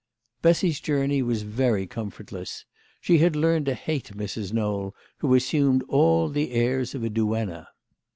Bessy's journey was very comfortless. She had learned to hate Mrs. Knowl, who assumed all the airs of a duenna.